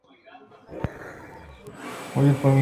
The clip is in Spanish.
Port Lincoln tiene un paisaje litoral de contrastes.